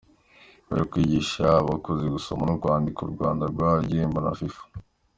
Kubera kwigisha abakuze gusoma no kwandik Urwanda rwahawe igihembo Na Fifa